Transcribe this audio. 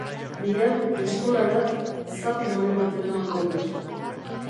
Bihar, eskolara, zapi more bat eramango dut.